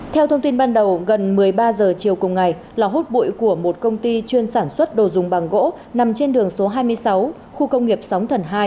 theo thông tin ban đầu gần một mươi ba h chiều cùng ngày lò hút bụi của một công ty chuyên sản xuất đồ dùng bằng gỗ nằm trên đường số hai mươi sáu khu công nghiệp sóng thần hai